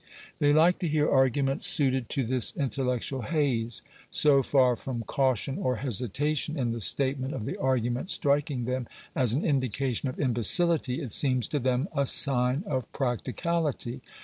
They like to hear arguments suited to this intellectual haze. So far from caution or hesitation in the statement of the argument striking them as an indication of imbecility, it seems to them a sign of practicality.